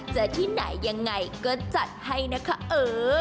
จะที่ไหนยังไงก็จัดให้นะคะเออ